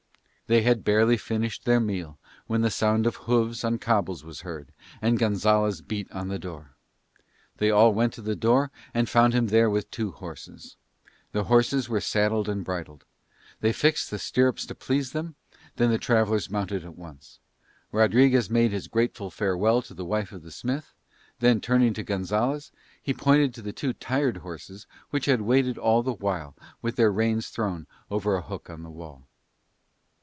They had barely finished their meal when the sound of hooves on cobbles was heard and Gonzalez beat on the door. They all went to the door and found him there with two horses. The horses were saddled and bridled. They fixed the stirrups to please them, then the travellers mounted at once. Rodriguez made his grateful farewell to the wife of the smith: then, turning to Gonzalez, he pointed to the two tired horses which had waited all the while with their reins thrown over a hook on the wall.